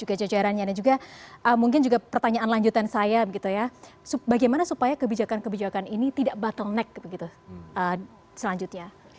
ada juga pertanyaan lanjutan saya bagaimana supaya kebijakan kebijakan ini tidak bottleneck selanjutnya